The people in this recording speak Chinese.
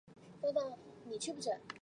珊瑚藻在珊瑚礁的生态上有重要角色。